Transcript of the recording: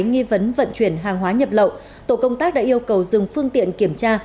trong khi điều khiển xe máy nghi vấn vận chuyển hàng hóa nhập lậu tổ công tác đã yêu cầu dừng phương tiện kiểm tra